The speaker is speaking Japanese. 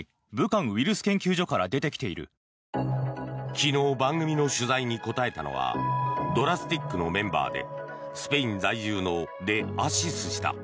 昨日、番組の取材に答えたのはＤＲＡＳＴＩＣのメンバーでスペイン在住のデ・アシス氏だ。